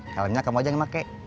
helmnya kamu aja yang pakai